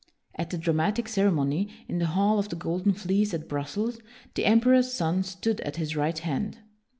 At the dramatic ceremony, in the Hall of the Golden Fleece at Brussels, the em peror's son stood at his right hand.